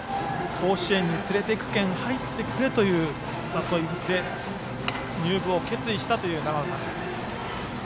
甲子園につれていくけん入ってくれという誘いで入部を決意した永野さんです。